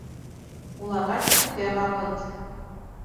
Уларға китергә ваҡыт